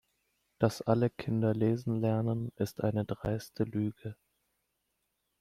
Dass alle Kinder lesen lernen, ist eine dreiste Lüge.